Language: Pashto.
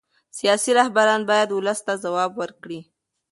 سیاسي رهبران باید ولس ته ځواب ورکړي